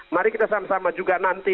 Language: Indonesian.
mari kita sama sama juga nanti